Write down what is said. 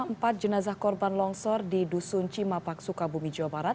empat jenazah korban longsor di dusun cimapak sukabumi jawa barat